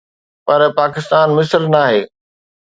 پر پاڪستان مصر ناهي.